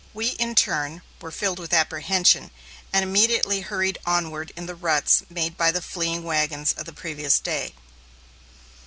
We, in turn, were filled with apprehension, and immediately hurried onward in the ruts made by the fleeing wagons of the previous day.